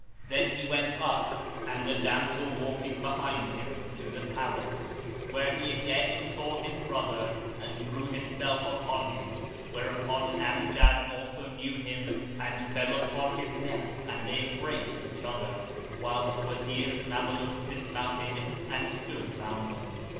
Then he went up (and the damsel walking behind him) to the Palace, where he again saw his brother, and threw himself upon him; whereupon Amjad also knew him and fell upon his neck and they embraced each other, whilst the Wazir's Mamelukes dismounted and stood round them.